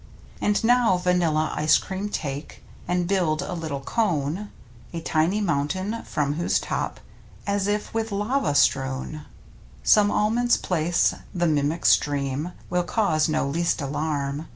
And now vanilla ice cream take And build a little cone, A tiny mountain from whose top — As if with lava strewn — Some almonds place; the mimic stream Will cause no least alarm.